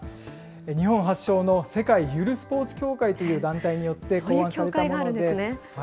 日本発祥の世界ゆるスポーツ協会という団体によって、考案されたそういう協会があるんですね。